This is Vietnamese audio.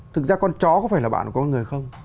thực ra con chó có phải là bạn của con người không